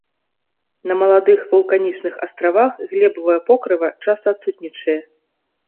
На маладых вулканічных астравах глебавае покрыва часта адсутнічае.